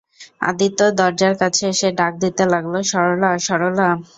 আদিত্য দরজার কাছে এসে ডাক দিতে লাগল, সরলা, সরলা।